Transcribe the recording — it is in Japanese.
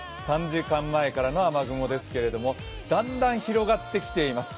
３時間前からの雨雲ですけれどもだんだん広がってきています。